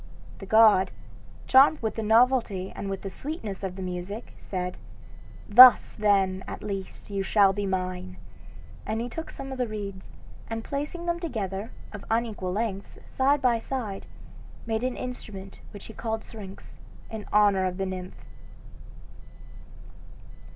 The god, charmed with the novelty and with the sweetness of the music, said, 'Thus, then, at least, you shall be mine.' And he took some of the reeds, and placing them together, of unequal lengths, side by side, made an instrument which he called Syrinx, in honor of the nymph."